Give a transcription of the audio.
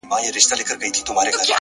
رښتیا تل بریا مومي.!